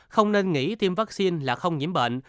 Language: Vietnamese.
không nên nghĩ tiêm vaccine là không nhiễm bệnh